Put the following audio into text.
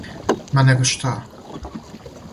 Ма него шта!